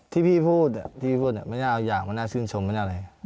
ที่พี่พูดที่พูดไม่น่าเอาอย่างไม่น่าชื่นชมไม่น่าอะไร